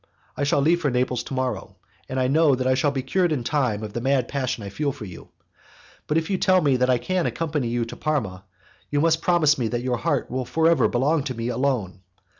I shall leave for Naples to morrow, and I know I shall be cured in time of the mad passion I feel for you, but if you tell me that I can accompany you to Parma, you must promise me that your heart will forever belong to me alone.